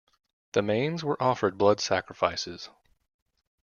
The Manes were offered blood sacrifices.